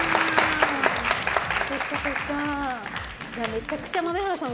めちゃくちゃ豆原さん